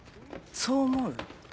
そう思う？